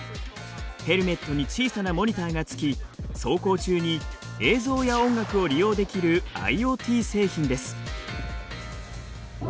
ヘルメットに小さなモニターが付き走行中に映像や音楽を利用できるＩｏＴ製品です。